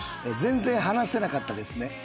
「全然話せなかったですね。